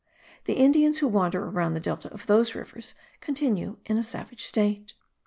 The Indians who wander around the delta of those rivers continue in a savage state.